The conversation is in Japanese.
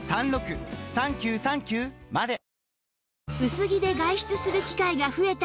薄着で外出する機会が増えた